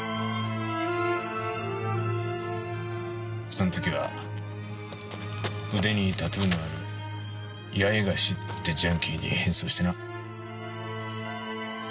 その時は腕にタトゥーのある八重樫ってジャンキーに変装してな。